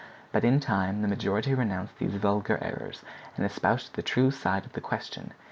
But in time the majority renounced these vulgar errors, and espoused the true side of the question.